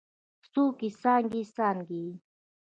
څوکې یې څانګې، څانګې